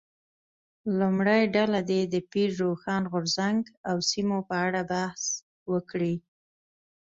لومړۍ ډله دې د پیر روښان غورځنګ او سیمو په اړه بحث وکړي.